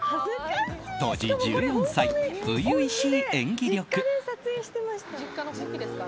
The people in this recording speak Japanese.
当時１４歳、初々しい演技力。